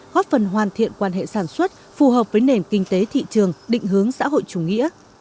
góp phần hoàn thiện quan hệ sản xuất phù hợp với nền kinh tế thị trường định hướng xã hội chủ nghĩa